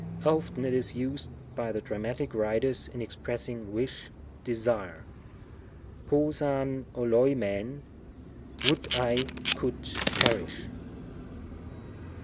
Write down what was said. Often it is used by the Dramatic writers in expressing wish, desire ; n^q av oXoifiriVy " would I could perish."